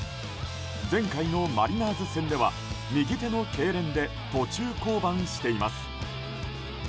前回のマリナーズ戦では右手のけいれんで途中降板しています。